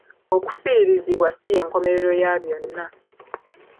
Okufiirizibwa si y'enkomerero ya byonna.